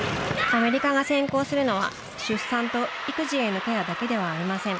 アメリカが先行するのは出産と育児へのケアだけではありません。